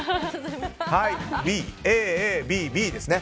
Ａ、Ａ、Ｂ、Ｂですね。